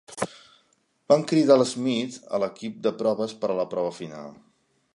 Van cridar l'Smith a l'equip de proves per a la prova final.